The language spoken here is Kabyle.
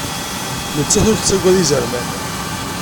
Nettat ur tettagad izerman.